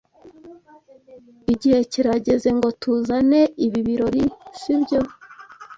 Igihe kirageze ngo tuzane ibi birori, sibyo?